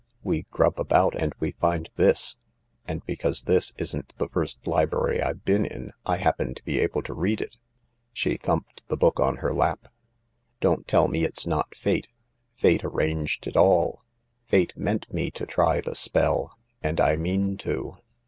We grub about and we find this, and because this isn't the first library I've been in I happen to be able to read it." She thumped the book on her lap. " Don't tell me it's not Fate. Fate arranged it all. Fate meant me to try the spell. And I mean to.